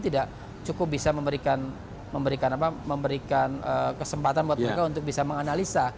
tidak cukup bisa memberikan kesempatan buat mereka untuk bisa menganalisa